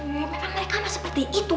memang mereka mah seperti itu